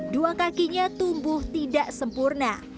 dua kakinya tumbuh tidak sempurna